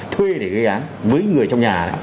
thuê để gây án với người trong nhà